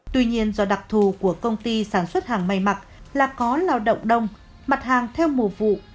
tuy nhiên do đặc thù của công ty sản xuất hàng may mặc là có lao động đông mặt hàng theo mùa vụ